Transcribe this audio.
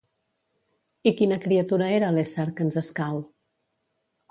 I quina criatura era l'ésser que ens escau?